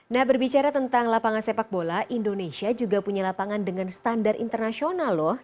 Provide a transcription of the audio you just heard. nah berbicara tentang lapangan sepak bola indonesia juga punya lapangan dengan standar internasional loh